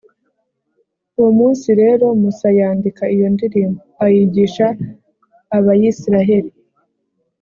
uwo munsi rero musa yandika iyo ndirimbo, ayigisha abayisraheli.